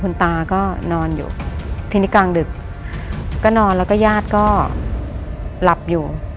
คุณตาก็นอนอยู่ทีนี้กลางดึกก็นอนแล้วก็ญาติก็หลับอยู่